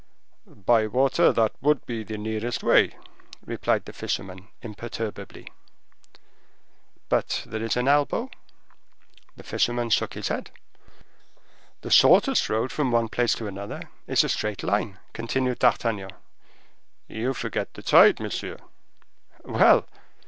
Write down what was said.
"By water that would be the nearest way," replied the fisherman imperturbably. "But there is an elbow?" The fisherman shook his head. "The shortest road from one place to another is a straight line," continued D'Artagnan. "You forget the tide, monsieur." "Well!